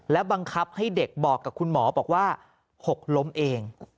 บังคับให้เด็กบอกกับคุณหมอบอกว่าหกล้มเอง